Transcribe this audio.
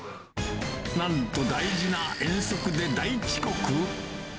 なんと、大事な遠足で大遅刻。